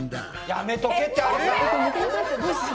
やめとけってありさ。